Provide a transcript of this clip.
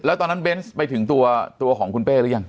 แล้วตอนนั้นเบนส์ไปถึงตัวของคุณเป้หรือยัง